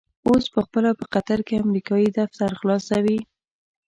اوس په خپله په قطر کې امريکايي دفتر خلاصوي.